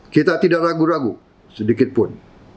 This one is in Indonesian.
kita tidak ragu ragu sedikitpun